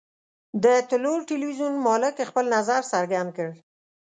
د طلوع ټلویزیون مالک خپل نظر څرګند کړ.